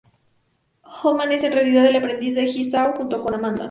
Hoffman es en realidad el aprendiz de Jigsaw junto con Amanda.